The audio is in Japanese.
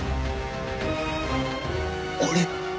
あれ？